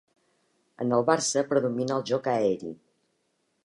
En el Barça predomina el joc aeri.